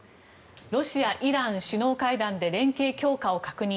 ロシア・イラン首脳会談で連携強化を確認。